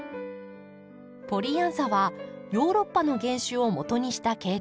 ポリアンサはヨーロッパの原種をもとにした系統です。